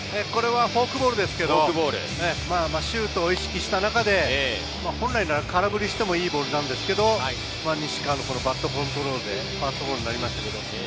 フォークボールですけれど、シュートを意識した中で、本来なら空振りしてもいいボールなんですけれど、西川のバットコントロールでファーストゴロになりました。